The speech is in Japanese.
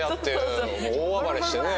もう大暴れしてね。